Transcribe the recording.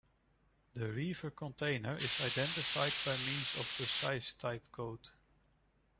The reefer container is identified by means of the size type code.